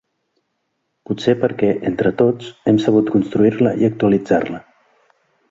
Potser perquè, entre tots, hem sabut construir-la i actualitzar-la.